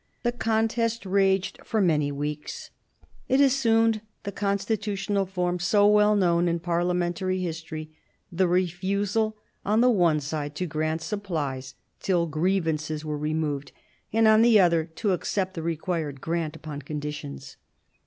The contest raged for many 80 MARIA THERESA chap, iv weeks. It assumed the constitutional form so well known in parliamentary history, the refusal on the one side to grant supplies till grievances were removed, and on the other to accept the required grant upon conditions.